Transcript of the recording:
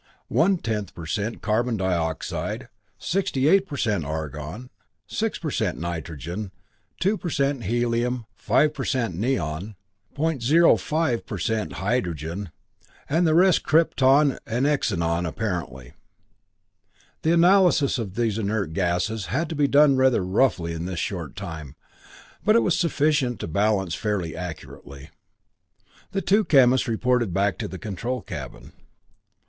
1 per cent carbon dioxide, 68 per cent argon, 6 per cent nitrogen, 2 per cent helium, 5 per cent neon, .05 per cent hydrogen, and the rest krypton and xenon apparently. The analyses of these inert gasses had to be done rather roughly in this short time, but it was sufficient to balance fairly accurately. The two chemists reported back to the control cabin.